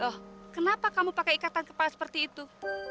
oh kenapa kamu pakai ikatan kepala seperti itu